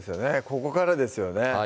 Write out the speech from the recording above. ここからですよね